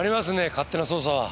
勝手な捜査は。